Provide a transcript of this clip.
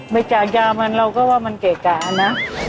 ไปจากยาวเราก็ว่ามันเก๋กกานะ